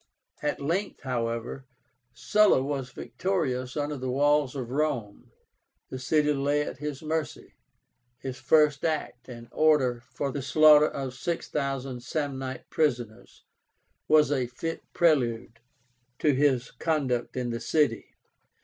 At length, however, Sulla was victorious under the walls of Rome. The city lay at his mercy. His first act, an order for the slaughter of 6,000 Samnite prisoners, was a fit prelude to his conduct in the city.